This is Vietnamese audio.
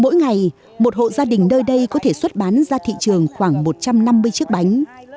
mỗi ngày một hộ gia đình nơi đây có thể xuất bán ra thị trường khoảng một trăm năm mươi chiếc bánh